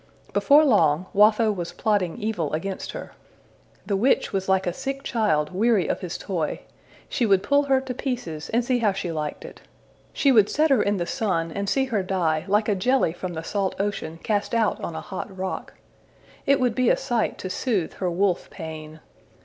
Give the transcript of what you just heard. Before long, Watho was plotting evil against her. The witch was like a sick child weary of his toy: she would pull her to pieces and see how she liked it. She would set her in the sun and see her die, like a jelly from the salt ocean cast out on a hot rock. It would be a sight to soothe her wolf pain.